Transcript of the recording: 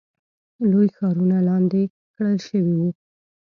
لوی ښارونه لاندې کړل شوي وو.